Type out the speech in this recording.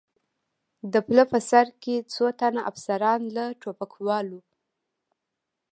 د پله په سر کې څو تنه افسران، له ټوپکوالو.